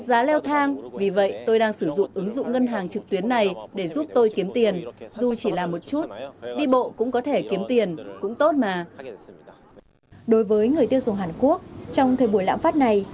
đối với người tiêu dùng hàn quốc trong thời buổi lãm phát này